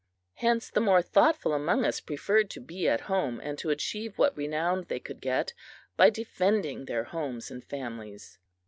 Hence the more thoughtful among us preferred to be at home, and to achieve what renown they could get by defending their homes and families.